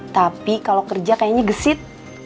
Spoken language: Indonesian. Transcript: tapi kalau kerja kayaknya gesit